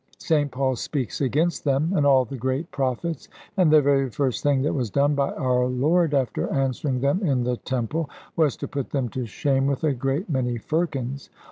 St Paul speaks against them, and all the great prophets; and the very first thing that was done by our Lord, after answering them in the Temple, was to put them to shame with a great many firkins.